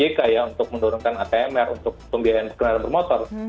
kebijakan dari ojk untuk mendorongkan atm untuk pembayaran kendaraan bermotor